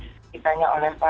yang seperti ditanya oleh pak